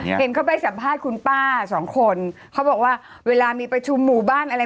เห็นเขาไปสัมภาษณ์คุณป้าสองคนเขาบอกว่าเวลามีประชุมหมู่บ้านอะไร